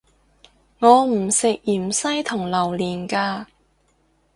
我唔食芫茜同榴連架